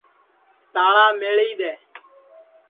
تاݪا میݪی دؔے